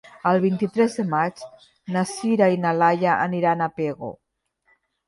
El vint-i-tres de maig na Sira i na Laia aniran a Pego.